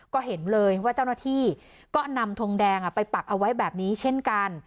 ก็เห็นเลยว่าเจ้าหน้าที่ก็นำทงแดงไปปักเอาไว้แบบนี้เช่นกัน